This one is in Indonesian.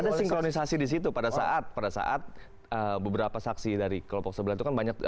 ada sinkronisasi di situ pada saat pada saat beberapa saksi dari kelompok sebelah itu kan banyak